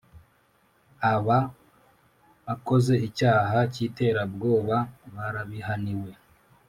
Aba akoze icyaha cy iterabwoba barabihaniwe